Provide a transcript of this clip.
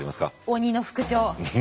鬼の副長。